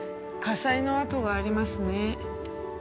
火災の跡がありますね